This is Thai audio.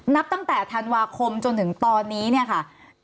นับตั้งแต่ธันวาคมจนถึงตอนนี้เนี่ยค่ะ